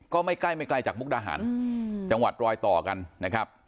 ก็ไม่ใกล้ไม่ไกลจากมุกดาหารจังหวัดรอยต่อกันนะครับ